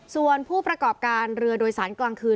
ส่วนผู้ประกอบการเรือโดยสารกลางคืน